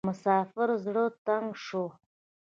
د مسافر زړه تنګ شو .